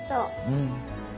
うん。